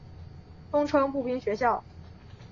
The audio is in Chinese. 通称步兵学校。